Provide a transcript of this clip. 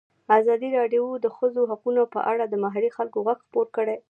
ازادي راډیو د د ښځو حقونه په اړه د محلي خلکو غږ خپور کړی.